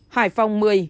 hải phòng một mươi